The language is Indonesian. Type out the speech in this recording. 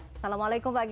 assalamualaikum pak gai